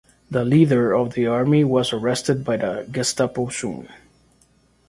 The leader of the army was arrested by the Gestapo soon.